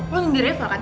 lo nyindirnya fah kan